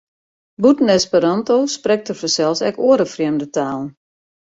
Bûten Esperanto sprekt er fansels ek oare frjemde talen.